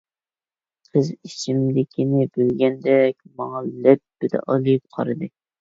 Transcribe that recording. قىز ئىچىمدىكىنى بىلگەندەك ماڭا لەپپىدە ئالىيىپ قارىدى.